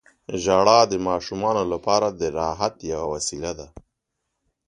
• ژړا د ماشومانو لپاره د راحت یوه وسیله ده.